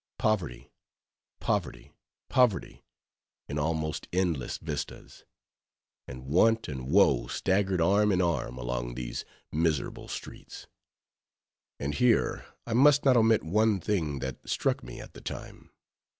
Poverty, poverty, poverty, in almost endless vistas: and want and woe staggered arm in arm along these miserable streets. And here, I must not omit one thing, that struck me at the time.